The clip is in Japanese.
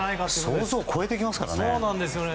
想像を超えてきますからね。